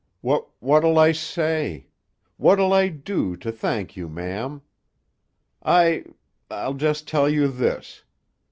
"Wh wh whut'll I say? Whut'll I do, to thank you, ma'am? I—I—I'll just tell you this.